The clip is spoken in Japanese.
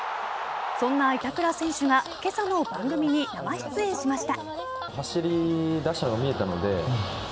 そんな板倉選手が今朝の番組に生出演しました。